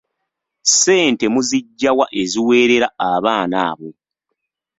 Ssente muziggya wa eziweerera abaana abo?